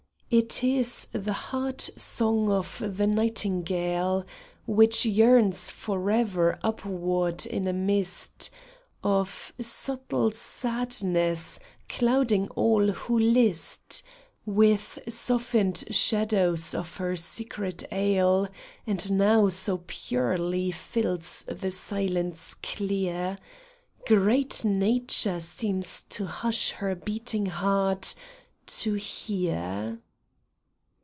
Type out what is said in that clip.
It is the heart song of the nightingale, Which yearns forever upward in a mist Of subtle sadness, clouding all who list, With softened shadows of her secret ail ; And now so purely fills the silence clear. Great Nature seems to hush her beating heart to hear.